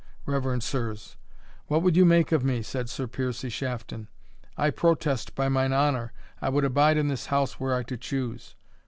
reverend sirs what would you make of me?" said Sir Piercie Shafton. "I protest, by mine honour, I would abide in this house were I to choose.